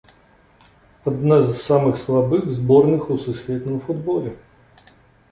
Адна з самых слабых зборных у сусветным футболе.